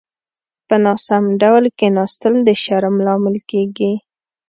په ناسمو ډول کيناستل د شرم لامل کېږي.